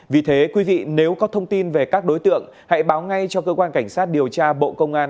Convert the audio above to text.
vì thế quý vị nếu có thông tin về các đối tượng hãy báo ngay cho cơ quan cảnh sát điều tra bộ công an